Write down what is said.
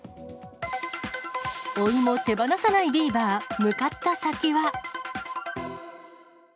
お芋手放さないビーバー、向かった先は。